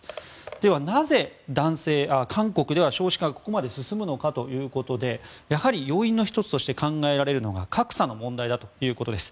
ではなぜ韓国では少子化がここまで進むのかということでやはり要因の１つとして考えられるのが格差の問題だということです。